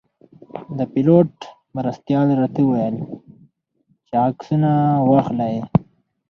د پیلوټ مرستیال راته ویل چې عکسونه واخلئ.